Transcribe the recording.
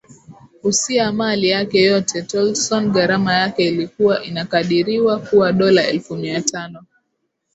usia mali yake yote Tolson gharama yake ilikuwa inakadiriwa kuwa dola elfu mia tano